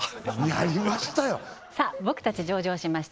やりましたさあ「僕たち上場しました！